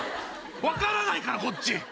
わからないからこっち。